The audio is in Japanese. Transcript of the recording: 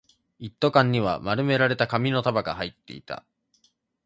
一斗缶には丸められた紙の束が入っていた